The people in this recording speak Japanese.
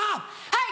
はい！